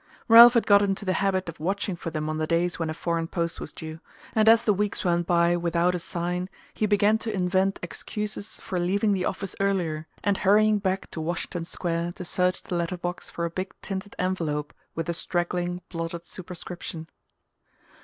Ralph had got into the habit of watching for them on the days when a foreign post was due, and as the weeks went by without a sign he began to invent excuses for leaving the office earlier and hurrying back to Washington Square to search the letter box for a big tinted envelope with a straggling blotted superscription.